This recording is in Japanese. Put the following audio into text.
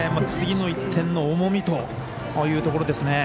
次の１点の重みというところです。